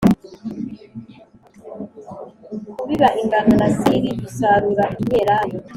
Kubiba ingano na sayiri Gusarura imyelayo